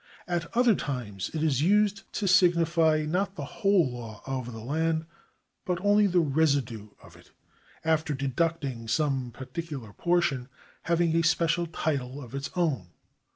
At other times it is used to signify not the whole law of the land, but only the residue of it after deducting some particular portion having a special title of its own.